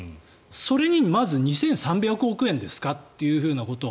それにまず２３００億円ですかということ。